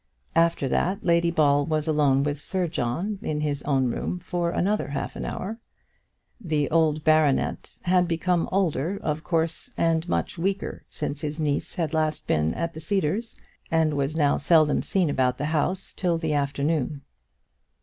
After that, Lady Ball was alone with Sir John, in his own room, for another half hour. The old baronet had become older, of course, and much weaker, since his niece had last been at the Cedars, and was now seldom seen about the house till the afternoon.